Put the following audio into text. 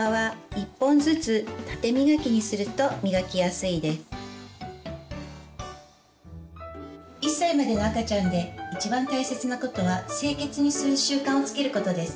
１歳までの赤ちゃんでいちばん大切なことは清潔にする習慣をつけることです。